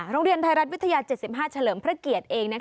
โรงเรียนไทยรัฐวิทยา๗๕เฉลิมพระเกียรติเอง